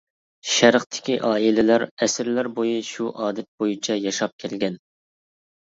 شەرقتىكى ئائىلىلەر ئەسىرلەر بويى شۇ ئادەت بويىچە ياشاپ كەلگەن.